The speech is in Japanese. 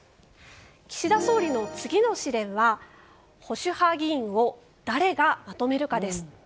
岸田総理の次の試練は保守派議員を誰がまとめるかです。